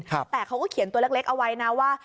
แต่เขาก็เขียนตัวเล็กเอาไว้นะว่า